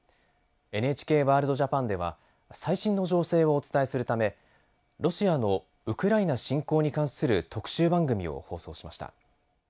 「ＮＨＫワールドＪＡＰＡＮ」では最新の情勢をお伝えするためロシアのウクライナ侵攻に関する特集番組を放送しました。